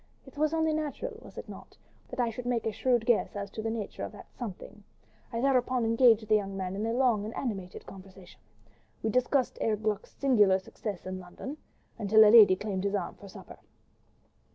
It was only natural, was it not? that I should make a shrewd guess as to the nature of that 'something.' I thereupon engaged the young gallant in a long and animated conversation—we discussed Herr Glück's singular success in London—until a lady claimed his arm for supper."